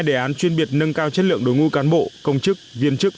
hai đề án chuyên biệt nâng cao chất lượng đối ngu cán bộ công chức viên chức